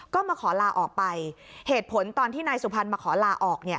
ก็มาขอลาออกไปเหตุผลตอนที่นายสุพรรณมาขอลาออก